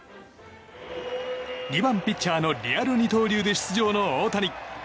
２番ピッチャーのリアル二刀流で出場の大谷。